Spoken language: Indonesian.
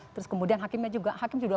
terus kemudian hakimnya juga